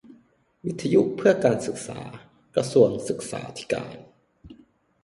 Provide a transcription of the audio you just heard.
วิทยุเพื่อการศึกษา กระทรวงศึกษาธิการ